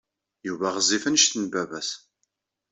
Yuba ɣezzif anect n baba-s.